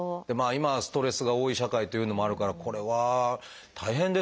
今はストレスが多い社会というのもあるからこれは大変ですね先生。